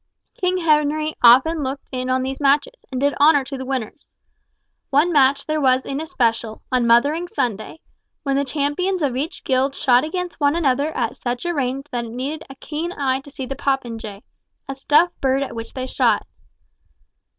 King Henry often looked in on these matches, and did honour to the winners. One match there was in especial, on Mothering Sunday, when the champions of each guild shot against one another at such a range that it needed a keen eye to see the popinjay—a stuffed bird at which they shot.